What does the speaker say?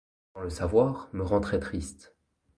Sans le savoir me rend très triste